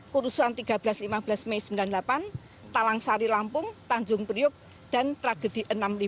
kerusuhan tiga belas lima belas mei seribu sembilan ratus sembilan puluh delapan talang sari lampung tanjung priuk dan tragedi enam puluh lima